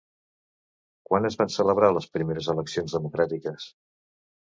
Quan es van celebrar les primeres eleccions democràtiques?